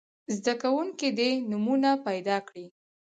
زده کوونکي دې نومونه پیداکړي.